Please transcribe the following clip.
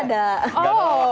oh tidak tahu